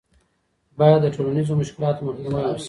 باید د ټولنیزو مشکلاتو مخنیوی وسي.